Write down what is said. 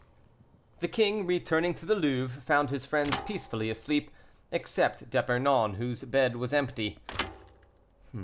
The king, returning to the Louvre, found his friends peacefully asleep, except D'Epernon, whose bed was empty.